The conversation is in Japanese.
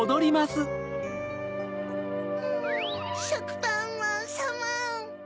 しょくぱんまんさま。